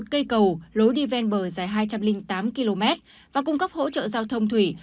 một cây cầu lối đi ven bờ dài hai trăm linh tám km và cung cấp hỗ trợ giao thông thủy